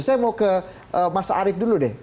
saya mau ke mas arief dulu deh